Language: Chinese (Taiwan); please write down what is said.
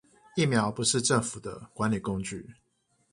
疫苗不是政府的管理工具